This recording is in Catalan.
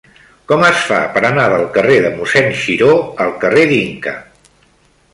Com es fa per anar del carrer de Mossèn Xiró al carrer d'Inca?